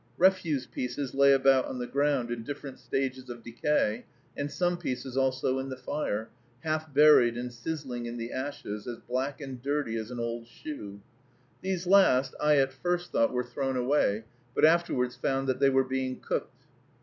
Refuse pieces lay about on the ground in different stages of decay, and some pieces also in the fire, half buried and sizzling in the ashes, as black and dirty as an old shoe. These last I at first thought were thrown away, but afterwards found that they were being cooked.